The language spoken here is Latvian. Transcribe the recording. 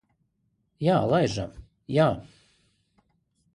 Jā, laižam. Jā.